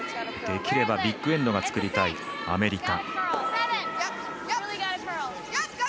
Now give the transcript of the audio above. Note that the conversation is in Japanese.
できればビッグエンドが作りたい、アメリカ。